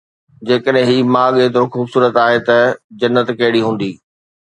جيڪڏهن هي ماڳ ايترو خوبصورت آهي ته جنت ڪهڙي هوندي؟